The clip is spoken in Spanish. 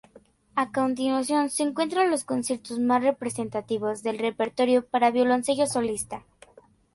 A continuación se encuentran los conciertos más representativos del repertorio para violoncello solista.